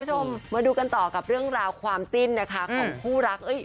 คุณผู้ชมมาดูกันต่อกับเรื่องราวความจิ้นนะคะของคู่รัก